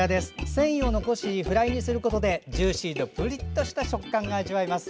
繊維を残しフライにすることでジューシーでぷりっとした食感が味わえます。